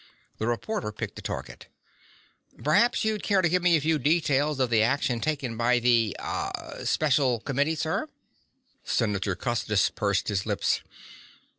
The reporter picked a target. "Perhaps you'd care to give me a few details of the action taken by the ... ah ... Special Committee, sir?" Senator Custis pursed his lips.